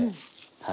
はい。